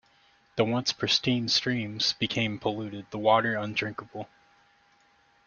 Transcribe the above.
The once pristine streams became polluted, the water undrinkable.